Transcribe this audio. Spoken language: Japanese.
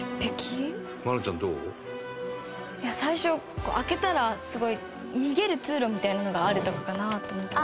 最初開けたらすごい逃げる通路みたいなのがあるとかかなと思ったんですけど。